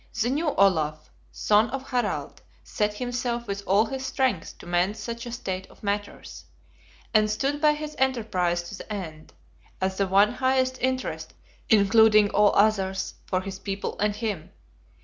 The new Olaf, son of Harald, set himself with all his strength to mend such a state of matters; and stood by his enterprise to the end, as the one highest interest, including all others, for his People and him.